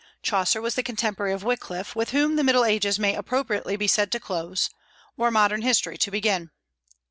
Chaucer was the contemporary of Wyclif, with whom the Middle Ages may appropriately be said to close, or modern history to begin.